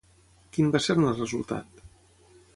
Quin va ser-ne el resultat?